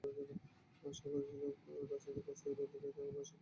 আশা ছিল রাজনৈতিক অস্থিরতা থেমে আসায় পর্যটক বাড়বে, কিন্তু পরিস্থিতি আরও খারাপ।